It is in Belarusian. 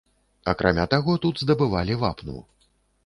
Акрамя таго, тут здабывалі вапну.